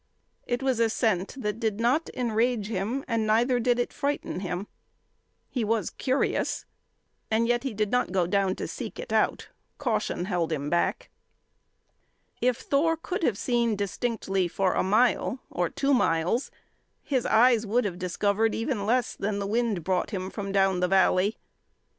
It was a scent that did not enrage him, and neither did it frighten him. He was curious, and yet he did not go down to seek it out. Caution held him back. If Thor could have seen distinctly for a mile, or two miles, his eyes would have discovered even less than the wind brought to him from down the valley.